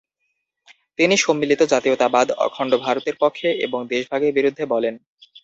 তিনি সম্মিলিত জাতীয়তাবাদ, অখণ্ড ভারতের পক্ষে এবং দেশভাগের বিরুদ্ধে বলেন।